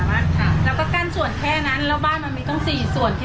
ปากกับภาคภูมิปากกับภูมิ